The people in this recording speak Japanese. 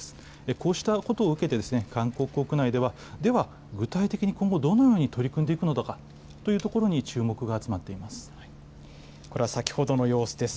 こうしたことを受けて、韓国国内では、では、具体的に今後、どのように取り組んでいくのかというところに注目が集まっていまこれは先ほどの様子です。